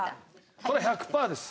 これ１００パーです。